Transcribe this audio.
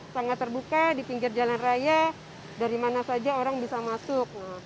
sangat terbuka di pinggir jalan raya dari mana saja orang bisa masuk